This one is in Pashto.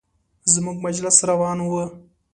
زموږ مجلس روان و.